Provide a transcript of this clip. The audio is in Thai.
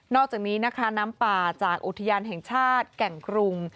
อกจากนี้นะคะน้ำป่าจากอุทยานแห่งชาติแก่งกรุง